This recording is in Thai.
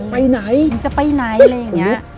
มึงจะไปไหน